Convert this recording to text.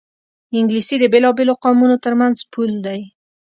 انګلیسي د بېلابېلو قومونو ترمنځ پُل دی